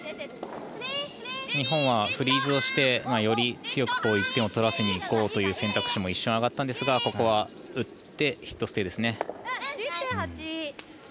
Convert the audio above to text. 日本はフリーズをしてより強く１点を取らせにいこうという選択肢も一瞬挙がったんですがここは打ってヒットステイですね。